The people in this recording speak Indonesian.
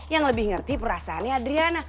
yang lebih ngerti perasaannya adriana